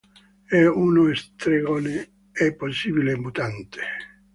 È uno stregone e possibile mutante.